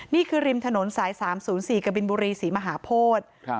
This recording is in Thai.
ริมถนนสาย๓๐๔กบินบุรีศรีมหาโพธิ